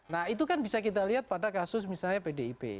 nah itu kan bisa kita lihat pada kasus misalnya pdip